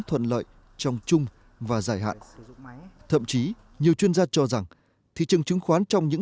thuận lợi trong chung và dài hạn thậm chí nhiều chuyên gia cho rằng thị trường chứng khoán trong những